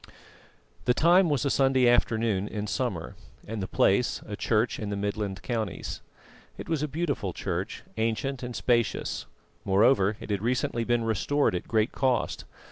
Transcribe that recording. The time was a Sunday afternoon in summer, and the place a church in the Midland counties. It was a beautiful church, ancient and spacious; moreover, it had recently been restored at great cost.